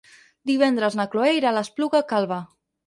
Divendres na Chloé irà a l'Espluga Calba.